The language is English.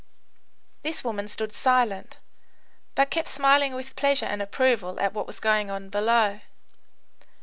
This woman stood silent, but kept smiling with pleasure and approval at what was going on below.